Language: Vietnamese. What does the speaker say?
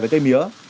với cây mía